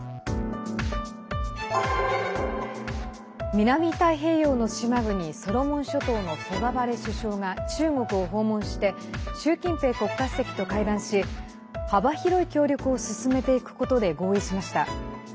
南太平洋の島国ソロモン諸島のソガバレ首相が中国を訪問して習近平国家主席と会談し幅広い協力を進めていくことで合意しました。